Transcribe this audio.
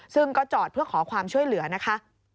ซึ่งก็จอดเพื่อขอความช่วยเหลือนะคะ